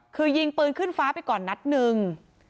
คือยิงปืนขึ้นฟ้าไปก่อนนัดหนึ่ง